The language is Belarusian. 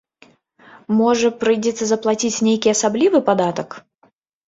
Можа, прыйдзецца заплаціць нейкі асаблівы падатак?